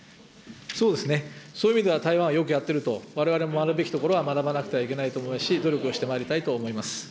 そうですね、そういう意味では、台湾はよくやっていると、われわれも学ぶべきところは学ばなければいけないし、努力をしてまいりたいと思います。